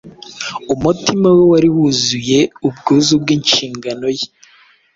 Umutima we wari wuzuye ubwuzu bw’inshingano ye